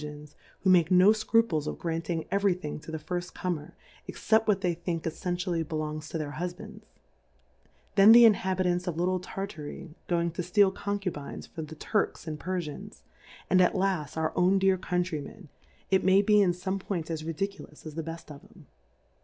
iSy who make no Scruples of granting every thing to the firft Comer, except what they think effentially belongs to their Husbands: Then the Inhabitants of little Tartar)' going to fteal Concubines for the Tui ks and l^erjlans ; and at iaft, our owndear Countrym£n,it may be in fome Points as ridiculous as, the bell: of 'em.